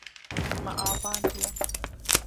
Me avandiye.